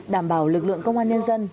đảm bảo lực lượng công an nhân dân